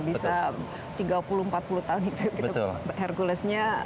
bisa tiga puluh empat puluh tahun itu herculesnya